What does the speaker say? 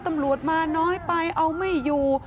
ตำรวจมาน้อยไปเอาไม่อยู่